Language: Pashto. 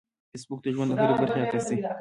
فېسبوک د ژوند د هرې برخې عکس دی